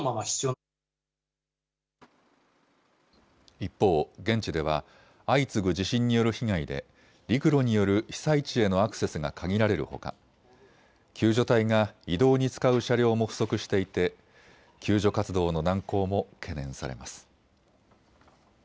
一方、現地では相次ぐ地震による被害で陸路による被災地へのアクセスが限られるほか救助隊が移動に使う車両も不足していて救助活動の難航も懸念されます。